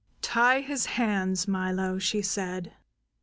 "Tie his hands, Milo!" she said.